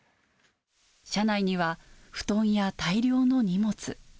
車内には、布団や大量の荷物。